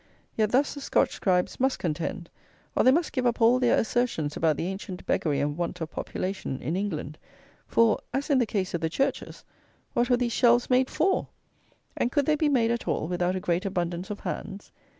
Yet thus the Scotch scribes must contend; or they must give up all their assertions about the ancient beggary and want of population in England; for, as in the case of the churches, what were these shelves made for? And could they be made at all without a great abundance of hands?